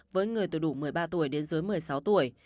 với người từ đủ một mươi ba tuổi đến dưới một mươi sáu tuổi